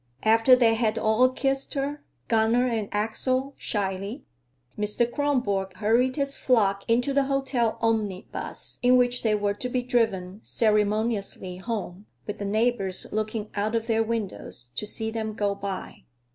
After they had all kissed her (Gunner and Axel shyly), Mr. Kronborg hurried his flock into the hotel omnibus, in which they were to be driven ceremoniously home, with the neighbors looking out of their windows to see them go by.